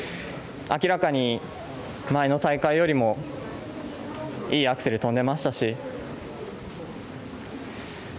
明らかに、前の大会よりもいいアクセル跳んでましたし。